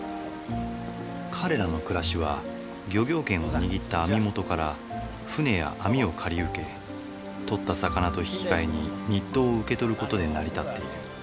彼らの暮らしは漁業権を握った網元から船や網を借り受け取った魚と引き換えに日当を受け取る事で成り立っている。